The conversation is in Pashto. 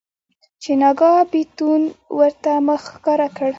چې ناګاه بيتون ورته مخ ښکاره کړ.